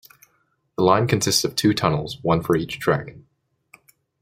The line consists of two tunnels - one for each track.